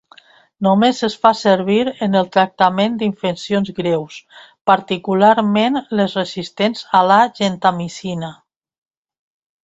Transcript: Només es fa servir en el tractament d'infeccions greus particularment les resistents a la gentamicina.